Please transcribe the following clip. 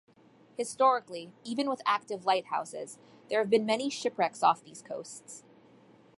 Historically, even with active lighthouses, there have been many shipwrecks off these coasts.